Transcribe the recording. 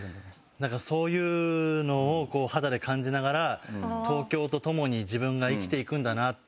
なんかそういうのを肌で感じながら東京と共に自分が生きていくんだな。